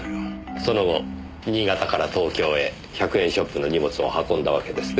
その後新潟から東京へ１００円ショップの荷物を運んだわけですね。